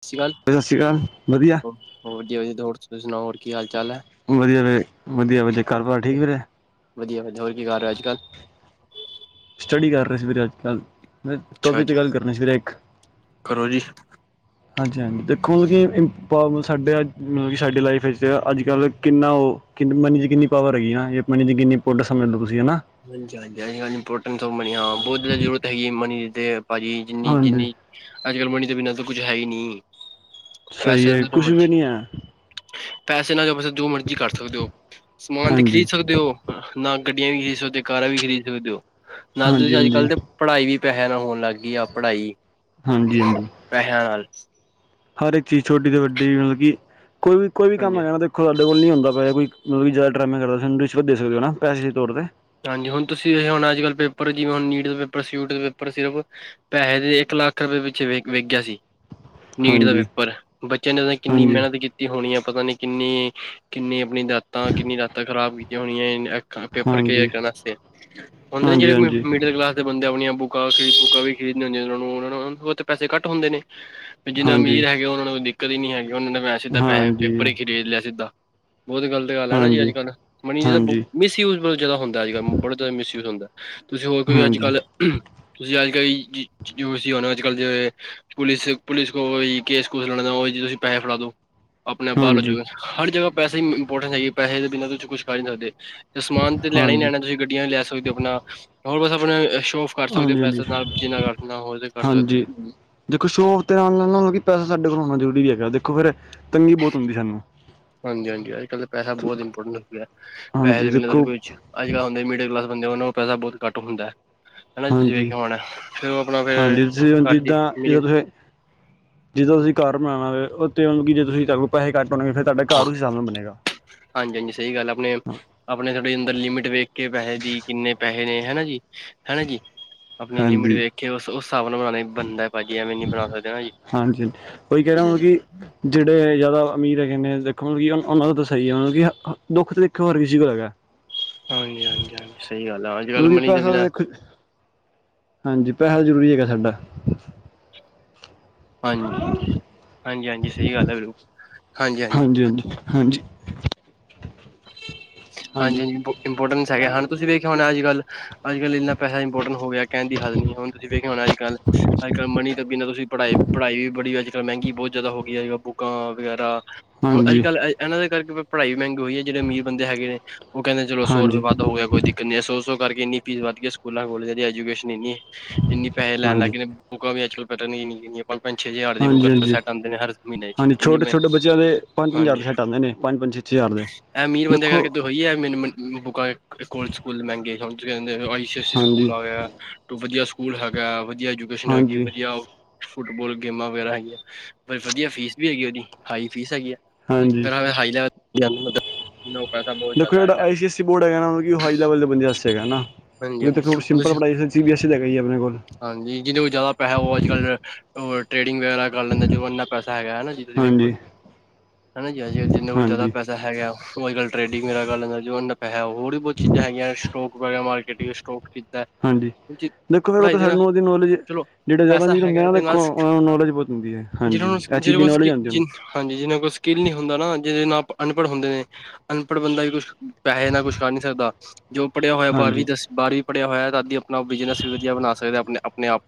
ਸਤਿ ਸ਼੍ਰੀ ਅਕਾਲ ਦੀ ਸਤਿ ਸ਼੍ਰੀ ਅਕਾਲ ਵਧੀਆ। ਹੋਰ ਜੀ-ਜੀ ਹੋ ਤੁਸੀ ਸੁਣਾਓ ਹੋਰ ਕੀ ਹਾਲ ਚਾਲ ਐ? ਵਧੀਆ ਵੀਰੇ ਵਧੀਆ ਵਧੇ ਘਰ ਬਾਰ ਠੀਕ ਵੀਰੇ ਵਧੀਆ ਵਧੀ ਹੋਰ ਕੀ ਕਰ ਰਹੈ ਅੱਜ-ਕੱਲ੍ਹ। ਸਟੱਡੀ ਕਰ ਰਹੇ ਸੀ ਵੀਰੇ ਅੱਜ-ਕੱਲ‌ ਮੈਂ ਅੱਛਾ ਟੋਪਿਕ ਤੇ ਜੀ ਗੱਲ ਕਰਨੀ ਸੀ ਵੀਰੇ ਇੱਕ। ਕਰੋ ਜੀ ਹਾਂਜੀ-ਹਾਂਜੀ ਦੇਖੋ ਮਤਲਬ ਕਿ ਇੰਪ ਮਤਲਬ ਸਾਡੇ ਅੱਜ ਮਤਲਬ ਕਿ ਸਾਡੀ ਲਾਈਫ ਵਿੱਚ ਅੱਜ-ਕੱਲ੍ਹ ਕਿੰਨਾ ਉਹ। ਕਿੰਨੀ ਮਨੀ ਚ ਕਿੰਨੀ ਪਾਵਰ ਹੈਗੀ ਆੇ ਮਨੀ ਚ ਕਿੰਨੀ ਇਮਪੋਰਟਸ ਸਮਝ ਲਓ ਤੁਸੀਂ ਹਨਾ। ਹਾਂਜੀ-ਹਾਂਜੀ ਇੰਪੋਰਟੈਂਸ ਆੱਫ ਮਨੀ ਹਾਂ ਬਹੁਤ ਜ਼ਿਆਦਾ ਜ਼ਰੂਰਤ ਹੈਗੀ ਮਨੀ ਦੀ ਤੇ ਪਾਜੀ ਜਿੰਨੀ ਹਾਂਜੀ ਜਿੰਨੀ ਅੱਜ-ਕੱਲ੍ਹ ਮਨੀ ਤੋਂ ਬਿਨਾਂ ਤੋਂ ਕੁਝ ਹੈ ਈ ਨੀ। ਸਈ ਏ ਕੁੱਛ ਵੀ ਨੀ ਹੈ। ਪੈਸੇ ਨਾ ਜੋ ਪੈਸੇ ਜੋ ਮਰਜ਼ੀ ਕਰ ਸਕਦੇ ਓ ਸਮਾਨ ਤਾਂ ਹਾਂਜੀ ਖਰੀਦ ਸਕਦੇ ਹੋ ਨਾ ਗੱਡੀਆਂ ਵੀ ਖਰੀਦ ਸਕਦੇ ਤੇ ਕਾਰਾਂ ਵੀ ਖਰੀਦ ਸਕਦੇ ਓ ਨਾਲ ਹਾਂਜੀ ਤੁਸੀਂ ਹਾਂਜੀ ਅੱਜ-ਕੱਲ੍ਹ ਦੇ ਪੜ੍ਹਾਈ ਵੀ ਪੈਸਿਆਂ ਨਾ ਹੋਣ ਲੱਗ ਗਈ ਆ ਪੜ੍ਹਾਈ ਹਾਂਜੀ-ਹਾਂਜੀ ਪੈਸਿਆਂ ਨਾਲ ਹਰ ਇੱਕ ਚੀਜ਼ ਛੋਟੀ ਤੋਂ ਵੱਡੀ ਮਤਲਬ ਕੀ ਕੋਈ ਵੀ ਕੋਈ ਵੀ ਹਾਂਜੀ ਕੰਮ ਹੈਗਾ ਨਾ ਦੇਖੋ ਸਾਡੇ ਕੋਲ ਨੀ ਹੁੰਦਾ ਪਿਆ ਕੋਈ ਮਤਲਬ ਕੀ ਜਾਦਾ ਡਰਾਮੇ ਕਰਦਾ ਸਾਨੂੰ ਰਿਸ਼ਵਤ ਦੇ ਸਕਦੇ ਓ ਨਾ ਪੈਸੇ ਦੇ ਤੌਰ ਤੇ। ਹਾਂਜੀ ਹੁਣ ਤੁਸੀਂ ਏ ਹੁਣ ਅੱਜ-ਕੱਲ੍ਹ ਪੇਪਰ ਜਿਵੇਂ ਹੁਣ ਨੀਟ ਦਾ ਪੇਪਰ ਸਿਊਟ ਦੇ ਪੇਪਰ ਸਿਰਫ ਪੈਸੇ ਦੇ ਇੱਕ ਲੱਖ ਰੁਪਏ ਪਿੱਛੇ ਵਿ ਵਿੱਕ ਗਿਆ ਸੀ। ਨੀਟ ਦਾ ਹਾਂਜੀ ਪੇਪਰ ਬੱਚਿਆਂ ਨੇ ਓਹਦੋਂ ਕਿੰਨੀ ਹਾਂਜੀ ਮਿਹਨਤ ਕੀਤੀ। ਕੀਤੀ ਹੋਣੀ ਆ ਪਤਾ ਨੀ ਕਿੰਨੀ-ਕਿੰਨੀ ਆਪਣੀ ਰਾਤਾਂ ਕਿੰਨੀ ਰਾਤਾਂ ਖ਼ਰਾਬ ਕੀਤੀਆਂ ਹੋਣੀਆਂ ਏਨ ਅੱਖਾਂ। [unintelligible] ਹਾਂਜੀ, ਹਾਂਜੀ, ਜੇੜ੍ਹੇ ਹਾਂਜੀ, ਮਿਡਲ ਕਲਾਸ ਦੇ ਬੰਦੇ ਆਪਣੀਆਂ ਬੁੱਕਾਂ ਖਰੀਦ ਬੂੱਕਾਂ ਵੀ ਖਰੀਦਣੀਆਂ ਹੁੰਦੀਆਂ ਓਨਾ ਨੂੰ ਉਨਾਂ ਨੂੰ ਤੇ ਪੈਸੇ ਕਟ ਹੁੰਦੇ ਨੇ। ਵੀ ਜਿੰਨਾ ਹਾਂਜੀ, ਅਮੀਰ ਹੈਗੇ ਓਨਾਂ ਨੂੰ ਕੋਈ ਦਿੱਕਤ ਈ ਨੀ ਹੈਗੀ ਓਨਾਂ ਨੇ ਮੈਂ ਸਿੱਧਾ ਪੈਸੇ ਪੇਪਰ ਹਾਂਜੀ, ਹੀ ਖਰੀਦ ਲਿਆ ਸਿੱਧਾ। ਬੋਤ ਗਲਤ ਗੱਲ ਐ ਨਾ ਜੀ ਹਾਂਜੀ, ਅੱਜ ਕਲ ਹਾਂਜੀ, ਮਨੀ ਦਾ ਤਾਂ ਹਾਂਜੀ, ਮਿਸਯੂਜ ਬੋਤ ਜਾਦਾ ਹੁੰਦਾ ਅੱਜ ਕੱਲ ਬੜਾ ਤ ਜਾਦਾ ਮਿਸਯੂਜ ਹੁੰਦਾ ਤੁਸੀਂ ਹੋਰ ਕੋਈ ਹਾਂਜੀ, ਅੱਜ-ਕੱਲ੍ਹ ਤੁਸੀਂ ਅੱਜ ਕੱਲ ਜੋ [unintelligible] ਸੀਂ ਨਾ ਅੱਜ ਕੱਲ੍ਹ ਜੇ। ਪੁਲਿਸ-ਪੁਲਿਸ ਕੋਲ ਕੇਸ ਕੁਸ ਲੜਨਾ ਤੁਸੀਂ ਪੈਸੇ ਫੜਾ ਦੋ। ਆਪਣੇ ਆਪ ਬਾਰ ਹੋ ਜੋਂ ਹਾਂਜੀ, ਗਏ ਹਰ ਜਗ੍ਹਾ ਪੈਸੇ ਈ ਇੰਪੋਰਟੈਂਟ ਹੈਗੀ ਪੈਸੇ ਦੇ ਬਿਨਾਂ ਤੁਸੀਂ ਕੁੱਛ ਕਰ ਈ ਨੀ ਸਕਦੇ। ਤੇ ਸਮਾਨ ਤੇ ਲੈਣਾ ਹੀ ਲੈਣਾ ਤੁਸੀਂ ਗੱਡੀਆਂ ਵੀ ਲੈ ਸਕਦੇ ਓ ਆਪਣਾ ਹੋਰ ਬਸ ਆਪਣਾ ਟੋਫ ਕਰ ਸਕਦੇ ਓ ਹਾਂਜੀ, ਹਾਂਜੀ, ਪੈਸੇ ਨਾਲ ਜਿੰਨਾ ਕਰ ਨਾ ਹੋਵੇ ਕਰ ਸਕਦੇ ਓ। ਹਾਂਜੀ। ਦੇਖੋ ਸ਼ੋਪ ਤੇ ਆਣ ਨਾਲੋ ਨਾ ਕੀ ਪੈਸਾ ਸਾਡੇ ਕੋਲ ਹੋਣਾ ਜਰੂਰੀ ਹੈਗਾ ਦੇਖੋ ਫਿਰ ਤੰਗੀ ਬੋਤ ਹੁੰਦੀ ਸਾਨੂੰ। ਹਾਂਜੀ-ਹਾਂਜੀ ਅੱਜ-ਕੱਲ੍ਹ ਤਾਂ ਪੈਸਾ ਬਹੁਤ ਇੰਪੋਰਟੈਂਟ ਹੋਗਿਆ ਪੈਸੇ ਹਾਂਜੀ ਦੇ ਬਿਨਾਂ ਦੇਖੋ ਕੁੱਛ ਅੱਜ ਕੱਲ੍ਹ ਹੁੰਦੇ ਮਿਡਲ ਕਲਾਸ ਬੰਦੇ ਓਨਾਂ ਕੋ ਪੈਸਾ ਬੋਤ ਘੱਟ ਹੁੰਦਾ ਹਨਾਂ ਤੁਸੀਂ ਹਾਂਜੀ ਵੇਖਿਆ ਹੋਣਾ ਫਿਰ ਓ ਆਪਣਾ [inaudible] ਹਾਂਜੀ ਤੁਸੀਂ ਜਿੱਦਾਂ ਜਿੱਦਾਂ [unintelligible] ਤੁਸੀਂ ਜਿੱਦਾਂ ਤੁਸੀਂ ਘਰ ਬਣਾਣਾ ਹੋਵੇ [unintelligible] ਕਿ ਜੇ ਤੁਸੀਂ ਕੈ ਲੋ ਪੈਸੇ ਘੱਟ ਹੋਣੇਗੇ ਫਿਰ ਤੁਹਾਡਾ ਘਰ ਉਸ ਹਿਸਾਬ ਨਾਲ ਬਣੇਗਾ ਹਾਂਜੀ-ਹਾਂਜੀ ਸਈ ਗੱਲ ਆਪਣੇ ਆਪਣੇ ਥੋੜੀ ਅੰਦਰ ਲਿਮਿਟ ਵੇਖ ਕੇ ਪੈਸੇ ਦੀ ਕਿੰਨੇ ਪੈਸੇ ਨੇ ਹਨਾ ਜੀ ਹਨਾ ਜੀ। ਆਪਣੀਲਿਮਿਟ ਹਾਂਜੀ ਵੇਖ ਕੇ ਉਸ ਹਿਸਾਬ ਨਾਲ ਬਣਾਣਾ ਈ ਬਣਦੈ ਪਾਜੀ ਜੀ ਐਵੇਂ ਨੀ ਬਣਾ ਸਕਦੇ ਨਾ ਜੀ। ਉਹੀ ਕੈ ਰਾ ਹੁਣ ਕੀ ਜੇੜ੍ਹੇ ਜਾਦਾ ਅਮੀਰ ਹੈਗੇ ਨੇ ਦੇਖੋ ਕੀ ਹੁਣ ਓਨਾਂ ਦਾ ਤਾਂ ਸਈ ਆ ਮਤਲਬ ਕਿ ਦੁੱਖ ਤਾਂ ਦੇਖੋ ਹਰ ਕਿਸੀ ਕੋਲ ਹੈਗਾ ਹਾਂਜੀ-ਹਾਂਜੀ-ਹਾਂਜੀ ਸਈ ਗੱਲ ਆ ਅੱਜ ਕੱਲ੍ਹ ਮਤਲਬ ਕਿ ਮਨੀ ਦੇ ਪੈਸਾ ਤਾਂ ਬਿਨਾਂ ਦੇਖੋ ਹਾਂਜੀ ਪੈਸਾ ਜ਼ਰੂਰੀ ਹੈਗਾ ਸਾਡਾ। ਹਾਂਜੀ-ਹਾਂਜੀ-ਹਾਂਜੀ ਸਈ ਗੱਲ ਐ ਬਿਲ ਹਾਂਜੀ-ਹਾਂਜੀ-ਹਾਂਜੀ ਹਾਂਜੀ ਹਾਂਜੀ ਹਾਂਜੀ-ਹਾਂਜੀ ਇੰਪ ਇੰਪੋਰਟੈਂਸ ਹੈਗੇ ਹ ਤੁਸੀਂ ਵੇਖਿਆ ਹੋਣਾ ਅੱਜ ਕੱਲ੍ਹ। ਅੱਜ ਕੱਲ ਇੰਨਾ ਪੈਸ ਇੰਪੋਟਨ ਹੋ ਗਿਆ ਕਹਿਣ ਦੀ ਹੱਦ ਨਈ ਹੁਣ ਤੁਸੀਂ ਵੇਖਿਆ ਹੋਣਾ ਅੱਜ ਕੱਲ ਅੱਜ-ਕੱਲ ਮਨੀ ਤੋ ਅੱਗੇ ਜ ਤੁਸੀਂ ਪੜ੍ਹਾਈ-ਪੜ੍ਹਾਈ ਵੀ ਬੜੀ ਅੱਜ ਕੱਲ੍ਹ ਮੈਂਗੀ ਬੋਤ ਜਾਦਾ ਹੋ ਗੀਆ ਬੁੱਕਾਂ ਵਗੈਰਾ। ਹੁਣ ਅੱਜ ਹਾਂਜੀ ਕੱਲ੍ਹ ਐ ਐਨਾਂ ਦੇ ਕਰਕੇ ਪੜਾਈ ਵੀ ਮੈਂਗੀ ਹੋਈ ਐ। ਜੇੜ੍ਹੇ ਅਮੀਰ ਬੰਦੇ ਹੈਗੇ ਨੇ ਓ ਕੈਂਦੇ ਚਲੋ ਸੌ ਰੁਪਏ ਹਾਂਜੀ ਵੱਧ ਹੋ ਗਿਆ ਕੋਈ ਦਿ ਸੌ-ਸੌੋ ਕਰਕੇ ਇੰਨੀ ਫੀਸ ਵਧ ਗਈ ਐ ਸਕੂਲਾਂ ਕੋਲਜਾਂ ਦੀ ਐਜੂਕੇਸ਼ਨ ਇੰਨੀ ਇੰਨੀ ਪੈਸੇ ਲੈਣ ਹਾਂਜੀ ਲਾਗੇ ਨੇ ਬੁੱਕਾਂ ਵੀ ਅੱਜਕਲ [unintelligible] ਗੀਆ। ਪੰਜ ਛੇ ਹਜ਼ਾਰ ਦੀ ਬੁੱਕ ਹਾਂਜੀ ਸੈੱਟ ਆਂਦੇ ਨੇ ਹਰ ਮੀਨੇ ਚ ਹਾਂਜੀ ਇੰਨੀ ਛੋਟੇ ਛੋਟੇ ਬੱਚਿਆਂ ਦੇ ਪੰਜ ਪੰਜ ਹਜ਼ਾਰ ਹਾਂਜੀ। ਦੇ ਸੈੱਟ ਆਉਂਦੇ ਨੇ ਪੰਜ ਪੰਜ ਛੇ ਛੇ ਜਾਰ ਦੇ। ਐ ਅਮੀਰ ਬੰਦਿਆ ਦੇਖੋ ਕਰਕੇ ਤੇ ਹੋਈ ਐ ਮੈਨੂੰ ਬੁੱਕਾਂ ਕੋਲ ਸਕੂਲ ਮੈਂਗੇ ਹੁਣ ਕੈਂਦੇ ਆਈ ਸੀ ਐਸੀ ਹਾਂਜੀ ਸਕੂਲ ਆ ਗਿਆ ਵਧੀਆ ਸਕੂਲ ਹੈਗਾ ਵਧੀਆ। [unintelligible] ਹਾਂਜੀ ਵਧੀਆ ਆਓ ਫੁੱਟਬੋਲ ਗੇਮਾਂ ਵਗੈਰਾ ਹੈਗੀਆਂ ਪਰ ਵਧੀਆ ਫੀਸ ਵੀ ਹੈਗੀ ਓਦੀ ਹਾਈ ਫੀਸ ਹੈਗੀ ਆ। ਹਾਂਜੀ ਹਾਈ ਲੈਵਲ [inaudible] [unintelligible] ਦੇਖੋ ਜੇੜਾ ਆਈ ਸੀ ਐੱਸੀ ਬੋਰਡ ਹੈਗਾ ਨਾ ਮਤਲਬ ਕੀ ਓ ਹਾਈ ਲੈਵਲ ਦੇ ਬੰਦਿਆ ਵਾਸਤੇ ਹੈਗਾ ਨਾ। ਹਾਂਜੀ ਹੁਣ ਕਿਉਂਕਿ ਦੇਖੋ ਸਿੰਪਲ ਤੁਸੀਂ ਪੜ੍ਹਾਈ ਸੀ ਬੀ ਐੱਸ ਤਾਂ ਹੈਗਾ ਈ ਆ ਆਪਣੇ ਕੋਲ। ਹਾਂਜੀ ਜਿਹਦੇ ਕੋਲ ਜ਼ਿਆਦਾ ਪੈਸਾ ਹੋ ਅੱਜ ਕੱਲ੍ਹ ਟ੍ਰੇਡਿੰਗ ਵਗੈਰਾ ਕਰ ਲੈਂਦਾ ਜ ਇੰਨਾ ਪੈਸਾ ਹੈਗਾ ਹੈਾ ਜੀ ਤੁਸੀਂ ਵੇਖੋ ਹਾਂਜੀ ਹਨਾ ਜੀ ਅਜੇ ਜਿੰਨਾ ਕੋਲ ਜ਼ਿਆਦਾ ਹਾਂਜੀ ਪੈਸਾ ਹੈਗਾ ਉਹ ਅੱਜ ਕੱਲ ਟਰੇਡਿੰਗ ਮੇਰਾੱਲ ਜੋ ਪੈਸਾ ਹੋਰ ਬਹੁਤ ਚੀਜ਼ਾਂ ਹੈਗੀਆਂ ਸਟੋਕ ਵਗੈ ਮਾਰਕੀਿੰਗ ਸਟੋਕ ਖਰੀਦ ਹਾਂਜੀ ਦੇਖੋ ਫਿਰ ਉਹ ਤਾਂ ਸਾਨੂੰ ਉਹਦੀ ਨੌਲੇਜ ਚਲੋ ਜਿਹੜੇ ਜ਼ਿਆਦਾ ਪੈਸਾ ਮਰ ਹੁੰਦੇ ਹੈਗਾ ਨਾ ਤੇ ਨਾਲ ਦੇਖੋ ਨੌਲੇਜਹੁਤ ਹੁੰਦੀ ਹੈ ਜਿਹਨਾਂ ਹਾਂਜੀ ਨੂੰ ਸਕਿ ਇਹ ਚੀਜ਼ ਜਿਹਦੇ ਦੀ ਕੋਲ ਨੌਲੇਜ ਸਕਿ ਆਉਂਦੀ ਜਿ ਹਾਂਜੀ ਜਿਹ ਨਾਲ ਕੋਈ ਸਕਿੱਲ ਨ ਨਹੀਂ ਹੁੰਦਾ ਨਾ ਜਿਹਦੇ ਨਾਲ ਆਪ ਅਨਪੜ੍ਹ ਹੁੰਦੇ ਨੇ ਅਨਪੜ੍ਹ ਬੰਦਾ ਵੀ ਕੁਛ ਪੈਸੇ ਨਾਲ ਕੁਛ ਕਰ ਨੀ ਸਕਦਾ ਜੋ ਪੜ੍ਹਿਆ ਹੋਇਆ ਬਾਰਵੀਂ ਹਾਂਜੀ ਦਸਵੀਂ ਬਾਹਰ ਵੀ, ਪੜੇਆ ਹੋਇਆ ਹੈ। ਅਦੀ ਆਪਣਾ ਬਿਜਨਸ ਵੀ ਵਧੀਆ ਬਣਾ ਸਕਦਾ ਏ। ਆਪਣੇ, ਆਪਣੇ ਆਪ।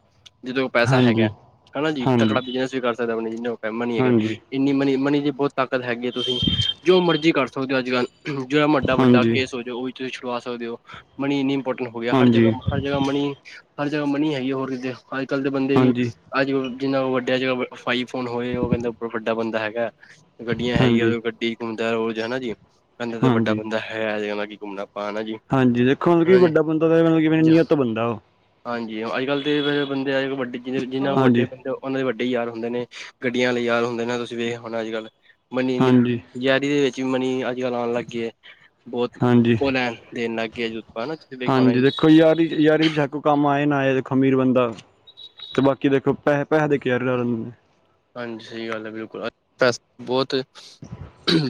ਜਿਦੋਂ ਕੋਲ ਪੈਸਾ ਹਾਂਜੀ ਹੈਗਾ। ਹਨਾ ਜੀ, ਹਾਂਜੀ ਤਕੜਾ ਬਿਜਨਸ ਵੀ ਕਰ ਸਕਦਾ ਹੈ। ਆਪ ਜਿੰੈਮਾ ਨਹੀਂ ਹੈਗਾ। ਹਾਂਜੀ ਇੰਨੀ ਮਨੀ, ਮਨੀ ਜੀ ਬਹੁਤ ਤਾਕਤ ਹੈਗੀ ਹੈ। ਤੁਸੀਂ ਜੋ ਮਰਜ਼ੀ ਕਰ ਸਕਦੇ ਹੋ, ਅੱਜ ਕੱਲ। ਜਿਹੜਾ ਵੱਡਾ। ਵੱਡਾ ਹਾਂਜੀ ਹਾਂਜੀ ਕੇਸ ਹੋ ਜਾਵੇ ਉਹ ਵੀ ਤੁਸੀਂ ਛੁਡਵਾ ਸਕਦੇ ਹੋ। ਮਨੀ ਇੰਨੀ ਇੰਪੋਰਟੈਂਟ ਹੋ ਗਿਆ ਹਰ ਜਗਾ ਹਾਂਜੀ ਹ ਜਗਾ ਮਨੀ, ਹਰ ਜਗਾ ਮਨੀ ਹੈਗੀ ਆ। ਹੋਰ ਕਿਤੇ ਅੱਜ ਕੱਲ ਦੇ ਬੰਦੇ ਵੀ। ਅੱਜਲ ਜਿੰਨਾ ਉਹ, ਵੱਡਿਆ ਜਜ ਭਾਈ ਫੋਨ ਹੋਏ। ਉਹ ਕਹਿੰਦਾ ਵੱਡਾ ਬੰਦਾ ਹੈਗਾ। ਗੱਡੀਆਂ ਹੈਗੀਆਂ। ਉਹ ਹਾਂਜੀ ਦੇ ਕੋ ਗੱਡੀ ਘੁੰਮਦਾ ਰੋਜ਼ ਹਨਾ ਜੀ, ਕਹਿੰਦਾ ਔ ਤਾਂ ਵੱਡਾ ਹਾਂਜੀ ਬੰਦਾ ਹੈ। ਹੈ ਕਿ ਅੱਜ ਕੱਲ ਘੁੰਮਣਾ- ਪਾਉਣਾ ਜੀ। ਹਾਂਜੀ, ਦੇਖੋ ਮਤਲਬ ਕਿ, ਹਨਾ ਵੱਡਾ ਬੰਦਾ ਤਾਂ ਮਤਲਬ ਮ ਜੀ। ਨਿਅਤ ਤੋਂ ਬੰਦਾ ਉਹ। ਹਾਂਜੀ, ਅੱਜ ਕੱਲ ਬੰਦੇ ਅ ਵੱੇ ਜਿਹ ਜ਼ਿੰਨਾ ਕੋ ਵੱਡੇ ਹਾਂਜੀ ਬੰਦੇ। ਉਹਨਾਂ ਦੇ ਵੱਡੇ ਯਾਰ ਹੁੰਦੇ ਨੇ। ਗੱਡੀਆਂ ਵਾਲੇ ਯਾਰ ਹੁੰਦੇ ਨੇ, ਤੁਸੀਂ ਵੇਖ ਹੋਣਾ, ਅੱਜ ਕੱਲ। ਮਨੀ ਹਾਂਜੀ ਜ਼ਹਿਰੀ ਦੇ ਵਿੱਚ ਵੀ, ਮਨੀ ਅੱਜ ਕੱਲ ਆਉਣ ਲੱਗਗੇ ਹੈ‌। ਬਹੁਤ ਹਾਂਜੀ ਉਹ ਲੈਣ- ਦੇਣ ਲੱਗ ਗਏ। ਜ [unintelligible] ਆਪਾਂ ਤੁਂ ਵਖਣਾ ਹਾਂਜੀ ਦੇਖੋ ਯਾਰੀ ਯਾਰੀ ਬੇ ਛੱਕ ਕੰਮ, ਆਏ ਨਾ ਆਏ‌। ਖਮੀਰ ਬੰਦਾ। ਤੇ ਬਾਕੀ ਦੇਖੋ ਪੈਸੇ, ਪੈੇ ਦੇ ਕੇ ਨੇ। ਹਾਂਜੀ, ਸਹੀ ਗੱਲ ਹੈ ਬਿਲਕੁਲ [unintelligible] ਸ ਬਹੁਤ।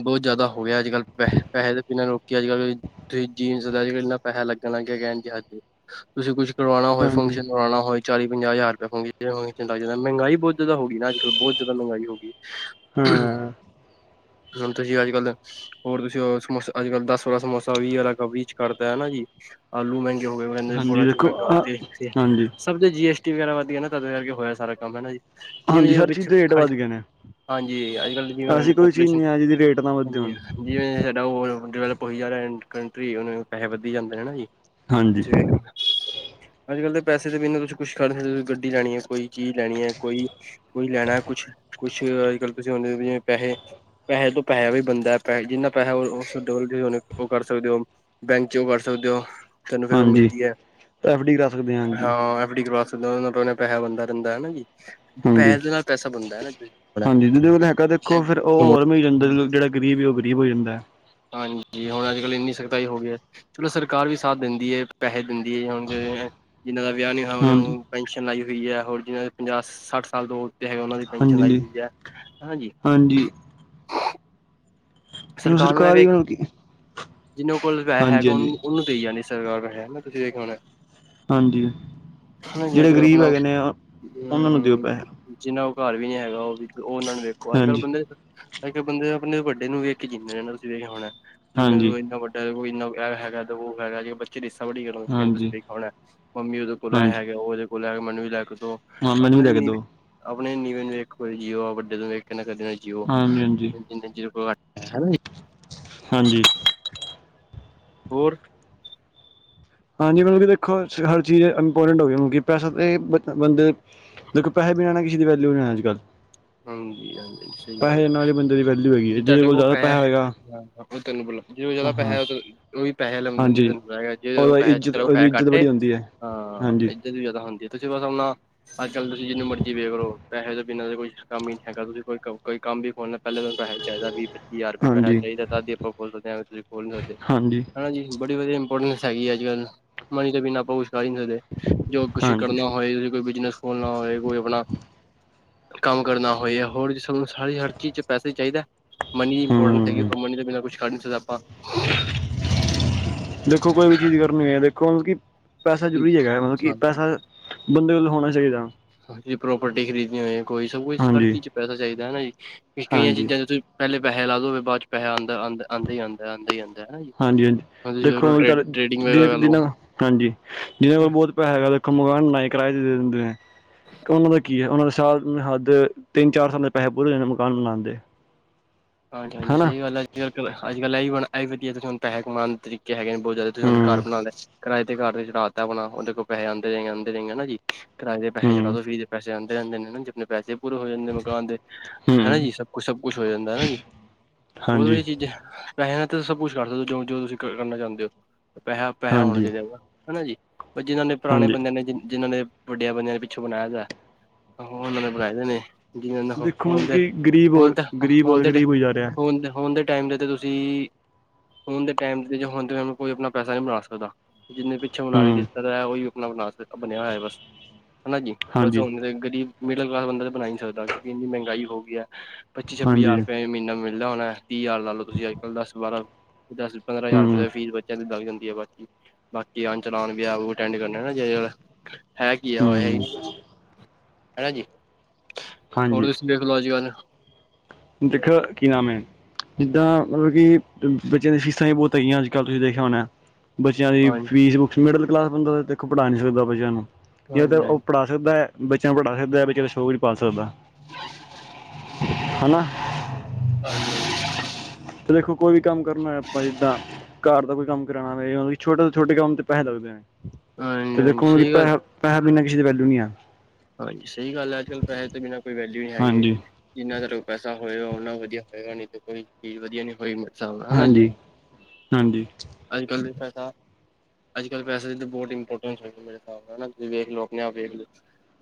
ਬਹੁਤ ਜ਼ਿਆਦਾ ਹੋ ਗਿਆ। ਅੱਜ ਕੱਲ ਪੈ ਪੈਸੇ ਦੇ ਬਿਨਾਂ ਲੋਕ ਅੱਜ ਕੱਲ। ਤੁਸੀਂ ਜੀਨਸ ਦਾ ਇੰਨਾ, ਪੈਸਾ ਲੱਗਣ ਲੱਗਿਆ ਕਹਿਣ ਜੀ ਹਦ ਤੁਸੀਂ ਕੁਛ ਕਰਵਾਉਣਾ ਹੋਏ, ਹਾਂਜੀ ਫੰਕਸ਼ਨ ਕਰਵਾਉਣਾ ਹੋਏ। ਚਾਲੀ, ਪੰਜਾਹ ਹਜ਼ਾਰ ਰੁਪਇ ਹੋਗੇੰਗ ਜਾਂ ਮਹਿੰਾਈ ਬਹੁਤ ਜ਼ਿਆਦਾ ਹੋ ਗਈ ਨਾ। ਅੱਜਕਲ ਬਹੁਤ ਜਿਆਦਾ ਮਹਿੰਗਾਈ ਹੋ ਗਈ। ਹਾਂ ਹੁਣ ਤੁਸੀਂ ਅੱਜ ਕੱਲ ਹੋਰ ਤੁਸੀਂ ਸਮੋਸਾ ਅੱਜ ਕੱਲ ਦਸ ਵਾਲਾ, ਸਮੋਸਾ ਵੀਹ ਅ ਕੀ ਚ ਕਰਦਾ ਹੈ ਜੀ। ਆਲੂ ਮਹਿੰਗੇ ਹੋ ਗਏ। ਕਹਿੰਦੇ [unintelligible] ਹਾਂਜੀ ਬੋੜਾ ਚੂ ਦੇਖੋ ਮਹਿੰਗਾ ਆਹ ਹਾਂਜੀ ਸਭ ਤੇ ਜੀ ਐਸ ਟੀ, ਵਗੈਰਾ ਵਧ ਗਿਆ ਨਾ, ਤਦੇ ਕਰਕੇ ਹੋਇਆ ਏ ਸਾਰਾ ਕੰਮ ਹਨਾ ਜੀ। ਜਿਵੇਂ- ਹਾਂਜੀ ਜਿਵੇਂ, ਹਰ ਚੀਜ਼ ਪਛ [unintelligible] ਦੇ ਰੇਟ ਖ ਵੱਧ ਗਏ ਨੇ ਹਾਂਜੀ, ਅੱਜ ਕੱਲ ਜਿਵੇਂ ਹੁ ਐਸੀ ਕੋਈ ਚੀਜ਼ ਪਾਪੂਲੇਸ਼ਨ ਨਹੀਂ ਹੈ ਜਿਹਦੀ ਰੇਟ ਨਾ ਵੱਧੇ ਹੋਣ ਹਾਂਜੀ। ਜਿਵੇ ਸਾਡਾ ਡਿਵੈਲਪ ਹੋਈ ਜਾ ਰਿਹਾ ਕੰਟਰੀ। ਉਹਨੂੰ ਪੈਸੇ ਵੱਧੀ ਜਾਂਦੇ ਹਨਾ ਜੀ। ਹਾਂਜੀ ਜੀ ਵੇਖ, ਅੱਜ ਕੱਲ ਤੇ ਪੈਸੇ ਦੇ ਬਿਨਾਂ ਤੁਸੀ, ਕੁਛ ਕਰ ਨਹੀਂ ਸਕਦੇਂ। ਗੱਡੀ ਲੈਣੀ ਹੈ ਕੋਈ, ਚੀਜ਼ ਲੈਣੀ ਹੈ ਕੋਈ। ਕੁਈ ਲੈਣਾ ਹੈ ਕੁਛ। ਕੁਛ ਅੱਜ ਕੱਲ ਤੁਸੀਂ ਬੰਦੇ ਨਹੀਂ ਹੈ, ਜਿਵੇਂ ਪੈਸੇ। ਪੈਸੇ ਤੋਂ ਪੈਸਾ ਵੀ ਬਣਦਾ ਹੈ। ਪੈ ਜਿੰਨਾ ਪੈਸਾ ਤੁਸੀਂ ਉਹ ਕਰ ਸਕਦੇ ਹੋ। ਬੈਂਕ ਚੋਂ ਕਰ ਸਕਦੇ ਹੋ। ਤੈਨੂੰ ਫੇਰ ਉਹ ਹਾਂਜੀ ਮਿਲਦੀ ਹੈ। ਐਫ ਡੀ ਕਰਾ ਸਕਦੇ ਹਾਂਜੀ ਹਾਂ ਐਫ ਡੀ, ਕਰਵਾ ਸਕਦੇ ਹੋ। ਪੈਸਾ ਬੰਦਾ ਰਹਿੰਦਾ ਹੈ ਨਾ ਜੀ। ਹਾਂਜੀ। ਪੈਸੇ ਦੇ ਨਾਲ ਪੈਸਾ ਬਣਦਾ ਹੈ ਹਾਂਜੀ ਜਿਦੇ ਕੋਲ ਹੈਗਾ। ਦੇਖੋ ਫੇਰ ਉਹ ਨਾ ਹੋਰ ਮਿਲ ਜਾਂ ਜਿਹੜਾ। ਗਰੀਬ ਹੀ ਉਹ ਗਰੀਬ ਹੋ ਜਾਂਦਾ। ਹਾਂਜੀ। ਹੁਣ ਅੱਜ ਕੱਲ ਇੰਨੀ ਸਖਤਾਈ ਹੋ ਗਈ ਹੈ। ਚਲੋ ਸਰਕਾਰ ਵੀ ਸਾਥ ਦਿੰਦੀ ਹੈ। ਪੈਸੇ ਦਿੰਦੀ ਹੈ ਹੁਣ ਜਿਵੇਂ। ਜਿਹਨਾਂ ਦਾ ਵਿਆਹ ਨਹੀਂ ਹੋਇਆ ਉਹਨਾਂ ਹਾਂਜੀ ਨੂੰ ਪੈਨਸ਼ਨ ਲਾਈ ਹੋਈ ਹੈ। ਹੋਰ ਜਿਹਨਾਂ ਦੇ ਪੰਜਾਹ, ਸੱਠ ਸਾਲ ਤੋਂ ਹੈ ਉਹਨਾਂ ਦੀ ਪੈਨਸ਼ਨ ਹਾਂਜੀ ਲਾਈ ਜੀ ਹੁਈ ਹੈ, ਹਾਂਜੀ। ਹਾਂਜੀ। ਸਰਕਾਰ ਨੂੰ ਐਵੇ, ਸਰਕਾਰੀ ਮਤਲਬ ਕਿ ਜਿੰਹਨਾਂ ਕੋਲ ਪੈਆ ਹਾਂਜੀ ਹੈਗਾ। ਹਾਂਜੀ ਉਨਾਂ, ਦਈ ਜਾਂਦੀ ਸਰਕਾਰ ਹੈ ਨਾ। ਤੁਸੀਂ ਦੇਖਿਆ ਹੋਣਾ। ਹਾਂਜੀ, ਹਨਾ ਜੀ ਜਿਹੜੇ ਅੱਜ ਕੱਲ੍ਹ ਗਰੀਬ ਆਪਣਾ ਹੈਗੇ ਨੇ। ਉਹਨਾਂ ਨੂੰ ਦਿਓ ਪੈਸੇ। ਜਿੰਨਾ ਕੋਲ ਘਰ ਵੀ ਨੀ ਹੈਗਾ। ਉਹ ਵੀ ਉਹਨਾਂ ਨੂੰ ਵੇਖੋ, ਅੱਜ ਕੱਲ ਹਾਂਜੀ ਬੰਦੇ ਅੱਜ ਕੱਲ ਬੰਦੇ ਆਪਣੇ ਵੱਡੇ ਨੂੰ ਵੇਖ ਜਿੰਨਾ ਚਿਰ ਤੁਸੀਂ ਵੇਖਿਆ ਹੋਣਾ ਵੀ, ਹਾਂਜੀ ਮਤਲਬ ਇੰਨਾ ਵੱਡਾ ਇਹ ਹੈਗਾ, ਉਹ ਹੈਗਾ ਜੇ ਬੱ ਰੀਸਾਂ ਬੜੀ ਕਰਦੇ ਤੁਸੀਂ ਹਾਂਜੀ ਦੇਖਿਆ ਹੋਣਾ, ਮੰਮੀ ਉਹਦੇ ਕੋਲ ਐ ਹਾਂਜੀ ਹੈਗਾ, ਉਹਦੇ ਕੋਲ ਓ ਹੈਗਾ ਮੈਨੂੰ ਵੀ ਲੈ ਕੇ ਦੋ। ਹਾਂ ਮੈਨੂੰ ਆਪਣੇ ਵੀ ਤੋਂ ਲੈ ਕੇ ਨੀਵੇਂ, ਦਿਓ ਆਪਣੇ ਨੀਵੇਂ ਨੂੰ ਵੇਖੋ ਜੀਓ, ਵੱਡੇ ਤੋਂ ਵੇਖ ਕੇ ਕਦੇ ਵੀ ਨਾ ਜੀਓ, ਹਾਂਜੀ ਹਾਂਜੀ ਜਿੰਨੇ ਚਿਰ ਹਨਾ ਜੀ। ਹਾਂਜੀ। ਹੋਰ? ਹਾਂਜੀ, ਮਤਲਬ ਕਿ ਦੇਖੋ ਹਰ ਚੀਜ਼ ਇੰਪੋਰਟੈਂਟ ਹੋ ਗਈ, ਮਤਲਬ ਕਿ ਪੈਸਾ ਤਾਂ ਬ ਬੰਦੇ ਦੇਖੋ ਪੈਸੇ ਬਿਨਾਂ ਨਾ ਕਿਸੇ ਦੀ ਵੈਲਿਊ ਨੀ ਅੱਜ ਕੱਲ੍ਹ। ਹਾਂਜੀ ਹਾਂਜੀ ਸਹੀ ਗੱਲ ਪੈਸੇ ਐ, ਨਾਲ ਹੀ ਬੰਦੇ ਦੀ ਵੈਲਿਊ ਹੈਗੀ ਹੈ ਜੇ ਜਿਹਦੇ ਤੁਹਾਡੇ ਕੋਲ ਜ਼ਿਆਦਾ ਪੈਸਾ ਪੈਸ ਹੋਏਗਾ ਔ ਤੈਨੂੰ ਬੁਲਾ ਜਿਹਦੇ ਕੋਲੇ ਜਿਆਦਾ ਹਾਂ ਪੈਸੇ, ਉਹ ਵੀ ਪੈਸੇ ਵਾਲੇ ਬੰਦੇ ਹਾਂਜੀ ਨੂੰ ਬੁਲਾਏਗਾ ਜਿਦੇ ਕੋਲ ਉਹਦਾ ਇੱਜ਼ਤ ਉਹਦੀ ਪੈਸੇ ਇੱਜ਼ਤ ਘੱਟ ਏ ਬੜੀ ਹੁੰਦੀ ਹੈ ਹਾਂਜੀ [unintelligible] ਜ਼ਿਆਦਾ ਹੁੰਦੀ ਏ, ਦੂਜੇ ਪਾਸੇ ਆਪਣਾ ਅੱਜ ਕੱਲ੍ਹ ਤੁਸੀਂ ਜਿੰਨੂੰ ਮਰਜ਼ੀ ਵੇਖ ਲਓ, ਪੈਸੇ ਦੇ ਬਿਨਾਂ ਤੇ ਕੋਈ ਕੰਮ ਹੀ ਨਹੀਂ ਹੈਗਾ, ਤੁਸੀਂ ਕੋਈ ਕੋਈ ਕੰਮ ਵੀ ਖੋਲਣਾ ਪਹਿਲੇ ਤੁਹਾਨੂੰ ਪੈਸੇ ਚਾਹੀਦਾ ਵੀ ਪੱਚੀ ਹਜ਼ਾਰ ਰੁਪਏ ਪੈਸਾ ਹਾਂਜੀ ਚਾਹੀਦਾ, ਤਦ ਹੀ ਆਪਾਂ ਖੋਲ ਸਕਦੇ ਹਾਂ, ਐਵੈਂ ਤੁਸੀ ਖੋਲ ਨੀ ਸਕਦੇ, ਹਾਂਜੀ। ਬੜੀ ਵਧੀਆ ਇੰਪੋਰਟੈਂਸ ਹੈਗੀ ਏ ਅੱਜ ਕੱਲ੍ਹ, ਮਨੀ ਤੋਂ ਬਿਨਾਂ ਆਪਾਂ ਕੁਛ ਕਰ ਹੀ ਨਹੀਂ ਸਕਦੇ। ਜੋ ਕੁਛ ਹਾਂਜੀ ਕਰਨਾ ਹੋਏ, ਕੋਈ ਬਿਜਨਸ ਖੋਲਣਾ ਹੋਏ, ਕੋਈ ਆਪਣਾ ਕੰਮ ਕਰਨਾ ਹੋਏ ਹੋਰ ਵੀ ਸਾਨੂੰ ਹਰ ਚੀਜ਼ ਚ ਪੈਸੇ ਚਾਹੀਦਾ, ਮਨੀ ਦੀ ਇੰਪੋਰਟੈਂਸ ਹੈਗੀ, ਹਮ ਮਨੀ ਤੋਂ ਬਿਨਾਂ ਕੁਛ ਕਰ ਨੀ ਸਕਦੇ ਆਪਾਂ। [unintelligible] ਦੇਖੋ ਕੋਈ ਵੀ ਚੀਜ਼ ਕਰਨੀ ਐ ਦੇਖੋ ਹੁਣ ਕੀ ਪੈਸਾ ਜ਼ਰੂਰੀ ਹੈਗਾ, ਮਤਲਬ ਕਿ ਆਪਾਂ ਪੈਸਾ ਬੰਦੇ ਕੋਲ ਹੋਣਾ ਚਾਹੀਦਾ। ਹਾਂ ਜੇ ਪ੍ਰੋਪਰਟੀ ਖਰੀਦਣੀ ਹੋਵੇ, ਕੋਈ ਸਭ ਕੁਛ ਹਰ ਹਾਂਜੀ ਚੀਜ਼ ਚ ਪੈਸਾ ਚਾਹੀਦਾ, ਹੈਨਾ ਜੀ ਕਈਆਂ ਹਾਂਜੀ ਚੀਜ਼ਾਂ ਚ ਤੁਸੀਂ ਪਹਿਲੇ ਪੈਸੇ ਲਾ ਦੇਵੋ ਫੇਰ ਬਾਅਦ ਚ ਪੈਸੇ ਆਂਦੇ ਆਂਦੇ ਆਂਦਾ ਹੀ ਆਂਦਾ। ਹਨਾ ਜੀ। ਹਾਂਜੀ ਹਾਂਜੀ, ਹੁਣ ਤੁਸੀਂ ਵੇਖ ਦੇਖੋ ਲੋ ਹੁਣ ਟ੍ਰੇਡ ਤੁਹਾਡੇ ਟ੍ਰੇਡਿੰਗ ਵਗੈਰਾ ਕਰ ਦੇਖਦੇ ਲੋ। ਨਾ ਹਾਂਜੀ, ਜਿਹਦੇ ਕੋਲ ਬਹੁਤ ਪੈਸਾ ਹੈਗਾ ਦੇਖੋ ਮਕਾਨ ਬਣਾ ਕੇ ਕਿਰਾਏ ਤੇ ਦੇ ਦਿੰਦੇ ਨੇ। ਉਹਨਾਂ ਦਾ ਕੀ ਐ ਉਹਨਾਂ ਦੇ ਸਾਲ ਹੱਦ ਤਿੰਨ ਚਾਰ ਸਾਲ ਦੇ ਪੈਸੇ ਪੂਰੇ ਹੋ ਜਾਂਦੇ ਨੇ ਮਕਾਨ ਬਨਾਣ ਦੇ। ਹਾਂਜੀ ਹਾਂਜੀ, ਹਨਾ ਸਹੀ ਗੱਲ ਐ, ਅੱਜ ਕੱਲ ਅੱਜ ਕੱਲ ਇਹੀ ਹੁਣ ਐਹੀ ਵਧੀਆ ਸਾਨੂੰ ਪੈਸੇ ਕਮਾਉਣ ਦੇ ਤਰੀਕੇ ਹੈਗੇ ਨੇ। ਬਹੁਤ ਜ਼ਿਆਦਾ ਤੁਸੀਂ ਹੁਣ ਘਰ ਹੂੰ ਬਣਾ ਲਿਆ ਕਿਰਾਏ ਤੇ ਘਰ ਨੂੰ ਚੜਾ ਤਾਂ ਆਪਣਾ, ਉਹਦੇ ਤੋਂ ਪੈਸੇ ਆਂਦੇ ਜਾਏਂਗੇ, ਆਂਦੇ ਜਾਏਂਗੇ ਹੈਨਾ ਜੀ। ਕਿਰਾਏ ਤੇ ਪੈਸੇ ਚੜਾ ਹੂੰ ਦੋ ਫ੍ਰੀ ਦੇ ਪੈਸੇ ਆਂਦੇ ਰਹਿੰਦੇ ਨੇ ਨਾ ਜ ਅਪਣੇ ਪੈਸੇ ਪੂਰੇ ਹੋ ਜਾਂਦੇ ਮਕਾਨ ਦੇ ਹੈਨਾ ਹੂੰ ਜੀ, ਸਭ ਕੁਛ ਸਭ ਕੁੱਛ ਹੋ ਜਾਂਦਾ ਹੈਨਾ ਜੀ। ਬਹੁਤ ਹਾਂਜੀ ਵਧੀਆ ਚੀਜ਼ਾਂ ਪੈਸੇ ਨਾਲ ਤਾਂ ਸਭ ਕੁਛ ਕਰ ਲੋ, ਜੋ ਜੋ ਤੁਸੀਂ ਕਰਨਾ ਚਾਹੁੰਦੇ ਹੋ। ਪੈਸ, ਪੈਸਾ ਹੋਣਾ ਹਾਂਜੀ ਚਾਹੀਦਾ, ਹੈਨਾ ਜੀ ਪਰ ਜਿਹਨਾਂ ਨੇ ਪੁਰਾਣੇ ਹਾਂਜੀ ਬੰਦਿਆਂ ਨੇ ਜਿਨਾਂ ਨੇ ਵੱਡਿਆਂ ਬੰਦਿਆ ਨੇ ਪਿੱਛੋਂ ਬਣਾਇਆ ਦਾ, ਉਹਨਾਂ ਨੇ ਬਣਾਏ ਦੇ ਨੇ। ਜਿਵੇਂ ਦੇਖੋ ਹੁਣ ਮਤਲਬ ਦੇ ਕਿ ਗਰੀਬ ਹੁਣ ਔਰ ਗਰੀਬ ਔਰ ਦੇ ਗਰੀਬ [unintelligible] ਹੋਈ ਜਾ ਰਿਹਾ। ਹੁਣ ਦੇ, ਹੁਣ ਦੇ ਟਾਈਮ ਚ ਤੇ, ਤੇ ਤੁਸੀਂ ਹੁਣ ਦੇ ਟਾਈਮ ਚ ਜਾਂ ਹੁਣ ਕੋਈ ਆਪਣਾ ਪੈਸਾ ਨਹੀਂ ਬਣਾ ਸਕਦਾ ਜਿੰਨੇ ਪਿੱਛੋਂ ਬਣਾ ਕੇ ਹੂੰ ਦਿੱਤਾ ਦਾ, ਉਹੀ ਵੀ ਆਪਣਾ ਬਣਾ ਬਣਿਆ ਹੋਇਆ ਬਸ ਹੈਨਾ ਜੀ ਬਸ ਹਾਂਜੀ ਹੁਣ ਤੇ ਗਰੀਬ ਮਿਡਲ ਕਲਾਸ ਬੰਦਾ ਤੇ ਬਣਾ ਈ ਨੀ ਸਕਦਾ, ਕਿਉਂਕਿ ਇੰਨੀ ਮਹਿੰਗਾਈ ਹੋ ਗਈ ਐ ਪੱਚੀ ਛੱਬੀ ਹਾਂਜੀ ਹਜ਼ਾਰ ਰੁਪਏ ਐਵੈਂ ਮਹੀਨਾ ਮਿਲਦਾ ਹੋਣਾ। ਤੀਹ ਹਜ਼ਾਰ ਲਾ ਲਓ ਤੁਸੀਂ ਅੱਜ ਕੱਲ ਦਸ ਬਾਰਾਂ, ਦਸ ਪੰਦਰਾਂ ਹਜ਼ਾਰ ਰੁਪਏ ਹੂੰ ਤੇ ਫੀਸ ਬੱਚਿਆਂ ਦੀ ਲੱਗ ਜਾਂਦੀ ਆ ਬਾਕੀ ਬਾਕੀ ਆਣ ਚਲਾਣ, ਵਿਆਹ ਵੂਹ ਅਟੈਂਡ ਕਰਨੇ ਆ ਹੈਨਾ, ਹੈ ਕੀ ਆ ਹੈ ਈ ਹੂੰ ਨੀ ਕੁੱਛ। ਹੈਨਾ ਜੀ, ਹੋਰ ਹਾਂਜੀ ਤੁਸੀਂ ਵੇਖਲੋ ਅੱਜ ਕੱਲ ਦੇਖੋ, ਕੀ ਨਾਮ ਏ? ਜਿੱਦਾਂ ਮਤਲਬ ਕਿ ਬੱਚਿਆਂ ਦੀਆਂ ਫੀਸਾਂ ਵੀ ਬਹੁਤ ਹੈਗੀਆਂ, ਅੱਜ ਕੱਲ੍ਹ ਤੁਸੀਂ ਦੇਖਿਆ ਹੋਣਾ। ਬੱਚਿਆਂ ਦੀ ਹਾਂਜੀ ਫੀਸ, ਬੁੱਕਸ ਮਿਡਲ ਕਲਾਸ ਬੰਦਾ ਤੇ ਦੇਖੋ ਪੜ੍ਹਾ ਈ ਨੀ ਸਕਦਾ ਬੱਚਿਆਂ ਨੂੰ ਜਾਂ ਤਾਂ ਹਾਂਜੀ ਉਹ ਪੜਾ ਸਕਦਾ ਹੈ ਬੱਚਿਆਂ ਨੂੰ ਪੜ੍ਹਾ ਸਕਦਾ, ਬੱਚਿਆਂ ਦਾ ਸ਼ੋਕ ਨੀ ਪਾਲ ਸਕਦਾ ਹੈਨਾ। [unintelligible] ਤੇ ਦੇਖੋ ਕੋਈ ਵੀ ਕੰਮ ਕਰਨਾ ਐ ਆਪਾਂ ਜਿੱਦਾਂ ਘਰ ਦਾ ਕੋਈ ਕੰਮ ਕਰਾਣਾ ਹੋਵੇ ਓ ਵੀ ਛੋਟੇ ਤੋਂ ਛੋਟੇ ਕੰਮ ਤੇ ਪੈਸੇ ਲੱਗਦੇ ਨੇ। ਹਾਂਜੀ ਤੇ ਦੇਖੋ ਹਾਂਜੀ ਹੁਣ ਸਹੀ ਗੱਲ ਪੈਸਾ, ਪੈਸੇ ਬਿਨਾਂ ਕਿਸੇ ਦੀ ਵੈਲਯੂ ਨੀ ਹੈ। ਹਾਂਜੀ ਸਹੀ ਗੱਲ ਹੈ, ਅੱਜ ਕੱਲ ਪੈਸੇ ਤੋਂ ਬਿਨਾਂ ਕੋਈ ਵੈਲਿਊ ਨਹੀਂ ਹੈਗੀ। ਹਾਂਜੀ ਜਿੰਨਾ ਕੋਲੋ ਪੈਸਾ ਹੋਏਗਾ ਉਹਨਾ ਵਧੀਆ ਹੋਏਗਾ ਨੀ ਤੇ ਕੋਈ ਚਜ਼ ਵਧੀਆ ਨੀ ਹੋਏਗੀ। ਹੈਨਾ ਜੀ, ਹਾਂਜੀ ਹਾਂਜੀ ਅੱਜ ਕੱਲ ਤੇ ਪੈਸਾ ਅੱਜ ਕੱਲ ਤੇ ਪੈਸੈ ਦੀ ਤਾਂ ਬਹੁਤ ਇੰਪੋਰਟਾਂਸ ਹੋਈ ਪੀ ਮੇਰੇ ਹਿਸਾਬ ਨਾਲ ਹੈਨਾ ਤੁਸੀਂ ਵੇਖ ਲੋ ਅਪਣੇ ਆਪ ਵੇਖ ਲੋ।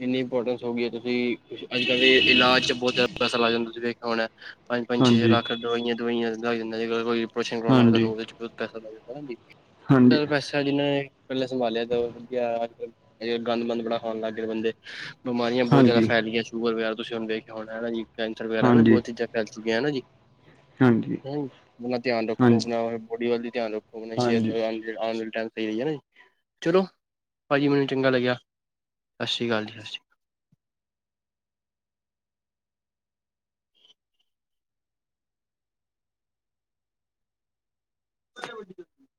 ਇੰਨੀ ਇੰਪੋਰਟੈਂਸ ਹੋ ਗਈ ਹੈ ਤੁਸੀਂ ਅੱਜ ਕੱਲ ਦੇ ਇਲਾਜ਼ ਚ ਬਹੁਤ ਜ਼ਿਆਦਾ ਪੈਸਾ ਲੱਗ ਜਾਂਦਾ ਤੁਸੀਂ ਵੇਖਿਆ ਹੋਣਾ ਪੰਜ- ਪੰਜ ਛੇ- ਛੇ ਹਾਂਜੀ ਲੱਖ। ਦਵਾਈਆਂ ਦਵਾਈਆਂ ਲਗਾਈ ਦਿੰਦਾ ਜਈ ਰੇਸ਼ਨ ਕਰਵਾਉਣਾਹਾਨੂੰ ਹਾਂਜੀ ਉਹਦੇ ਪਸਾ ਲੱਦਾੈੇ ਹਾਂਜੀ ਹਾਂਜੀ [inaudible] ਅੱਛਾ ਜਿਹਨੇ ਇਕੱਲਲਾ ਸੰਭਾਲਿਆ, ਤਾਂ ਵਧੀਆ ਗੰਦ- ਮੰਦ ਬੜਾ ਖਾਣ ਲੱਗ ਗਏ ਬੰਦੇ। ਬਿਮਾਰੀਆਂ ਬਹੁਤ ਜ਼ਿਆਦਾ ਫੈਲ ਗਈਆ। ਸ਼ੂਗਰ ਵਗ਼ੈਰਾ, ਤੁਸੀਂ ਹੁਣ ਦੇਖੇਆ ਹੋਣਾ ਹੈਨਾ ਜੀ, ਕੈਂਸਰ ਵਗੈਰਾ, ਹੈਨਾ ਹਾਂਜੀ ਬਹੁਤ ਚੀਜ਼ਾਂ। ਫੈਲ ਚੁੱਕਿਆ ਹੈਨਾ ਜੀ। ਹਾਂਜੀ ਆਪਣਾ ਧਿਆਨ ਰੱਖੋ, ਹਾਂਜੀ ਆਪਣਾ ਬੋਡੀ ਵੱਲ ਵੀ ਧਿਆਨ ਰੱਖੋ। ਭਨ ਹਾਂਜੀ [inaudible] ਜੇੜਾ ਆਉਣ ਵਾਲ ਟਾਈਮ- ਐਹੀ ਹੈ ਨਾ ਜੀ, ਚਲੋ ਭਾਜੀ ਮੈਨੂੰ ਚੰਗਾ ਲੱਗਿਆ। ਸਤਿ ਸ੍ਰੀ ਅਕਾਲ ਜੀ। ਅੱਛਾ। [inaudible]